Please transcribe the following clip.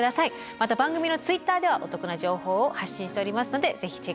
また番組のＴｗｉｔｔｅｒではお得な情報を発信しておりますのでぜひチェックしてみて下さい。